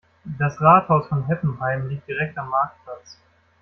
Das Rathaus von Heppenheim liegt direkt am Marktplatz.